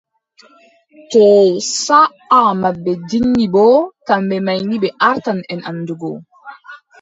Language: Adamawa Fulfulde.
Too saaʼa maɓɓe jinni boo, kamɓe may ni ɓe artan en anndungo.